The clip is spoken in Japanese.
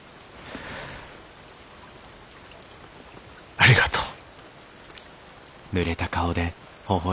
ありがとう。